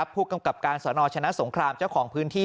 ผู้กำกับการสนชนะสงครามเจ้าของพื้นที่